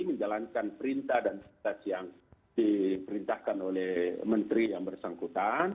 menjalankan perintah dan perintah yang diperintahkan oleh menteri yang bersangkutan